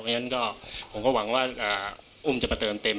เพราะฉะนั้นก็ผมก็หวังว่าอุ้มจะมาเติมเต็ม